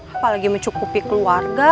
apalagi mencukupi keluarga